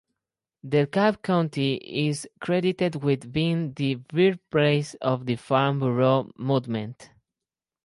DeKalb County is credited with being the birthplace of the Farm Bureau movement.